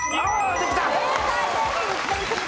できた。